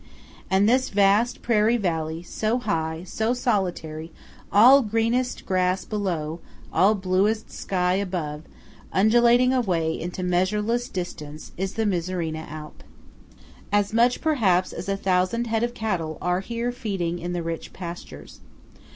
And this vast prairie valley, so high, so solitary, all greenest grass below, all bluest sky above, undulating away into measureless distance, is the Misurina Alp. 11 As much perhaps as a thousand head of cattle are here feeding in the rich pastures.